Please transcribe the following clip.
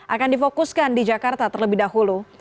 akan difokuskan di jakarta terlebih dahulu